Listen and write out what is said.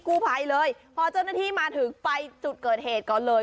กู้ภัยเลยพอเจ้าหน้าที่มาถึงไปจุดเกิดเหตุก่อนเลย